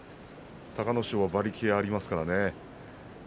隆の勝は馬力がありますからね。